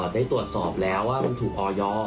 ได้ตรวจสอบแล้วว่ามันถูกออย